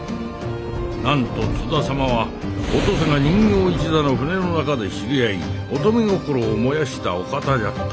なんと津田様はお登勢が人形一座の船の中で知り合い乙女心を燃やしたお方じゃった。